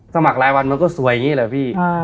สมัครรายวันมันก็สวยอย่างนี้แหละพี่